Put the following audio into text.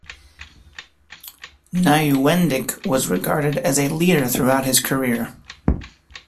Nieuwendyk was regarded as a leader throughout his career.